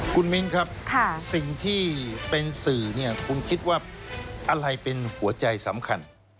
คุณมิ้นครับสิ่งที่เป็นสื่อเนี่ยคุณคิดว่าอะไรเป็นหัวใจสำคัญ